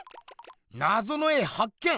なぞの絵はっ見！